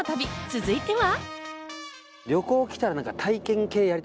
続いては。